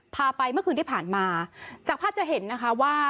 พาไปเมื่อคืนที่ผ่านมาจากภาพจะเห็นนะคะว่า